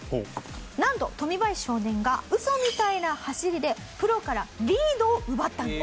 なんとトミバヤシ少年がウソみたいな走りでプロからリードを奪ったんです。